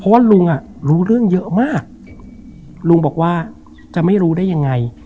เพราะว่าลุงอ่ะรู้เรื่องเยอะมากลุงบอกว่าจะไม่รู้ได้ยังไง